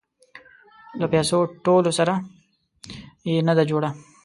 له پيسو ټولولو سره يې نه ده جوړه.